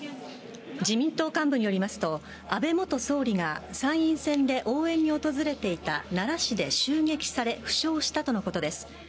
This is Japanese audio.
自民党幹部によりますと安倍元総理が参院選で応援に訪れていた奈良市で襲撃され負傷したとのことです。